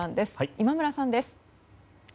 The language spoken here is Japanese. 今村さんです。